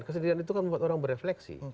kesedihan itu kan membuat orang berefleksi